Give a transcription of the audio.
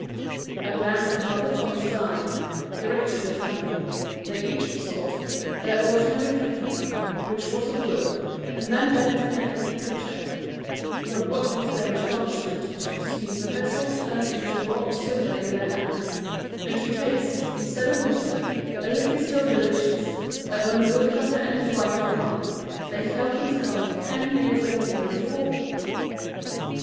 A glance of Mother Thomas's eye directed her family; they each sought their ordinary drinking cup, which was of wood, and then bent the neck of the pitcher; but what was their astonishment to perceive the vessel turn into wrought silver in their hands, and to taste, instead of water, a liquor so delicious, that when the woodcutter and his wife had drunk, they felt themselves ten years younger than before!